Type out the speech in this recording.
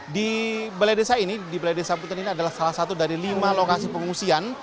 di balai desa ini di balai desa butet ini adalah salah satu dari lima lokasi pengungsian